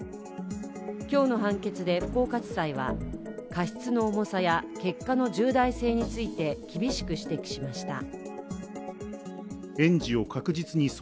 今日の判決で福岡地裁は過失の重さや結果の重大性について厳しく指摘しました。